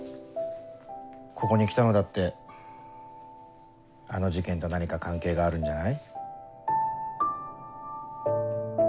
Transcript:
ここに来たのだってあの事件と何か関係があるんじゃない？